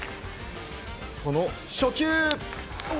その初球。